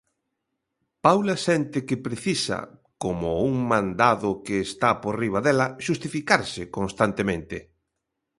Paula sente que precisa, como un mandado que está por riba dela, xustificarse constantemente.